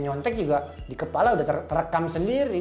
nyontek juga di kepala udah terekam sendiri